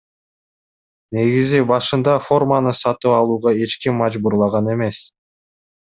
Негизи башында форманы сатып алууга эч ким мажбурлаган эмес.